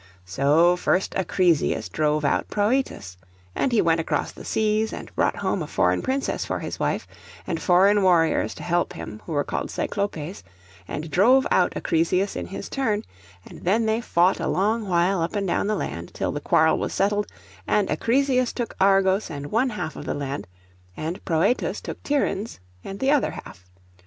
So first Acrisius drove out Prœtus; and he went across the seas, and brought home a foreign princess for his wife, and foreign warriors to help him, who were called Cyclopes; and drove out Acrisius in his turn; and then they fought a long while up and down the land, till the quarrel was settled, and Acrisius took Argos and one half the land, and Prœtus took Tiryns and the other half.